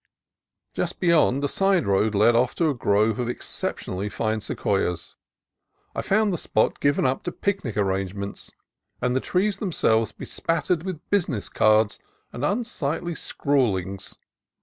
Just beyond, a side road led off to a grove of ex ceptionally fine sequoias. I found the spot given up to picnic arrangements, and the trees themselves be spattered with business cards and unsightly scrawl ings.